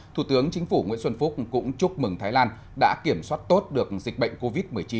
thủ tướng chính phủ nguyễn xuân phúc cũng chúc mừng thái lan đã kiểm soát tốt được dịch bệnh covid một mươi chín